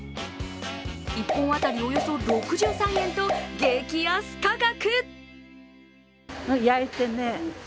１本当たり、およそ６３円と激安価格。